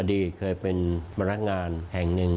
ดีเคยเป็นพนักงานแห่งหนึ่ง